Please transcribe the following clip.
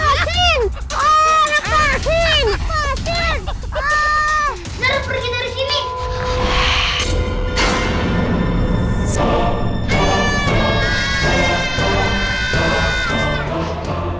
nanti pergi dari sini